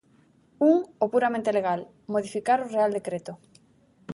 Un, o puramente legal: modificar o real decreto.